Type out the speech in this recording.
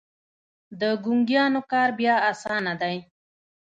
د ګونګيانو کار بيا اسانه دی.